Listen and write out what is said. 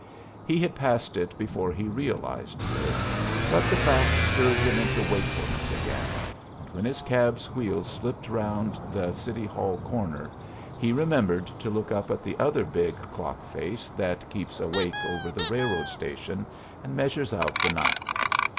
He had passed it before he realized this; but the fact stirred him into wakefulness again, and when his cab's wheels slipped around the City Hall corner, he remembered to look up at the other big clock face that keeps awake over the railroad station and measures out the night.